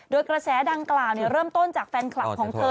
โดยกระแสดังกล่าวเริ่มต้นจากแฟนคลับของเธอ